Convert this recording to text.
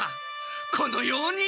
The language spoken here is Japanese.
このように！